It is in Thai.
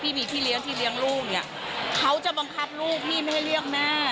พี่มีพี่เลี้ยงที่เลี้ยงลูกเนี่ยเขาจะบังคับลูกพี่ไม่ให้เรียกแม่